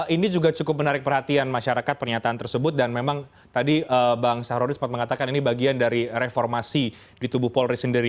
ini juga cukup menarik perhatian masyarakat pernyataan tersebut dan memang tadi bang sahroni sempat mengatakan ini bagian dari reformasi di tubuh polri sendiri